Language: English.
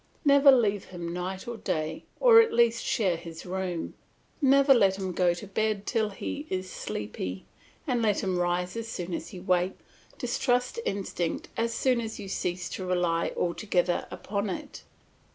Never leave him night or day, or at least share his room; never let him go to bed till he is sleepy, and let him rise as soon as he wakes. Distrust instinct as soon as you cease to rely altogether upon it.